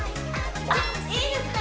あっいいですね！